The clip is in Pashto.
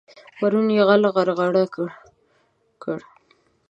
پرون يې غل غرغړه کړ.